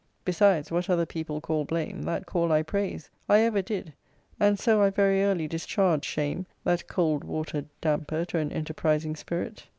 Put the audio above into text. Besides, what other people call blame, that call I praise: I ever did; and so I very early discharged shame, that cold water damper to an enterprising spirit.